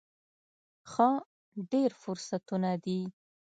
ښه، ډیر فرصتونه دي